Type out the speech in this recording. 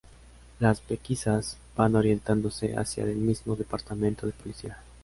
Las pesquisas van orientándose hacia del mismo departamento de Policía.